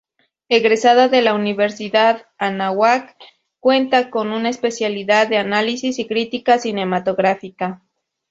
Egresada de la Universidad Anáhuac, cuenta con una especialidad en Análisis y Crítica Cinematográfica.